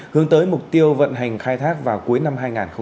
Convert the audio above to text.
hướng tới mục tiêu vận hành khai thác vào cuối năm hai nghìn hai mươi